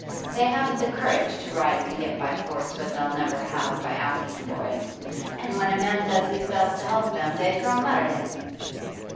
They haven't the courage to rise and get by force what they'll never have by asking for it, and when a man does his best to help them they throw mud at him!